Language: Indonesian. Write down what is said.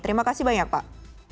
terima kasih banyak pak